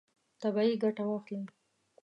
طبیعي ګټه واخلئ.